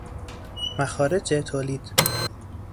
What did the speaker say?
مخارج تولید